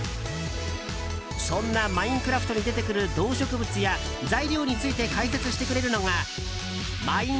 そんな「マインクラフト」に出てくる動植物や材料について解説してくれるのが「マイン